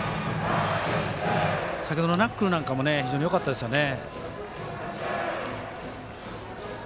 先ほどナックルなんかも非常によかったですよね。